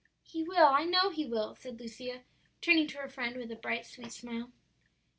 "'He will, I know He will,' said Lucia, turning to her friend with a bright, sweet smile.